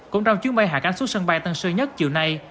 cũng trong chuyến bay hạ cánh xuất sân bay tăng sơ nhất chiều nay